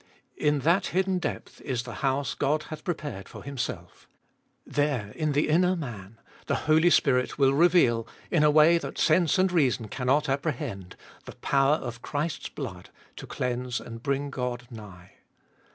In that hidden depth is 20 306 Cbe toliest of ail the house God hath prepared for Himself; there, in the inner man, the Holy Spirit will reveal, in a way that sense and reason cannot apprehend, the power of Christ's blood to cleanse and bring God nigh.